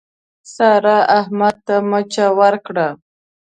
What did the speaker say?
سارا، احمد ته مچه ورکړه.